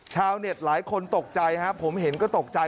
ชาวเน็ตหลายคนตกใจครับผมเห็นก็ตกใจ